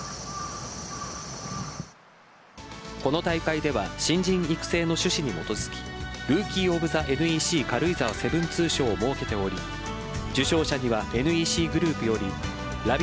この大会では新人育成の趣旨に基づきルーキー・オブ・ザ・ＮＥＣ軽井沢７２賞を設けており受賞者にはＮＥＣグループよりＬＡＶＩＥＴａｂＴ